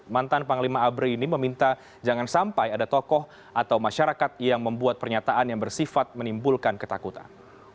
mantan panglima abri ini meminta jangan sampai ada tokoh atau masyarakat yang membuat pernyataan yang bersifat menimbulkan ketakutan